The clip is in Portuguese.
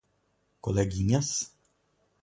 Coleguinhas